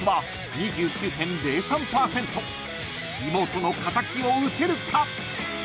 ［妹の敵を討てるか！？］